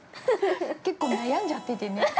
◆結構、悩んじゃっててね。